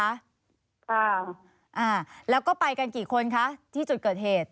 อ่าแล้วก็ไปกันกี่คนคะที่จุดเกิดเหตุ